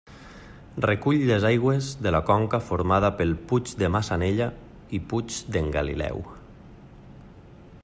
Recull les aigües de la conca formada pel Puig de Massanella i Puig d'en Galileu.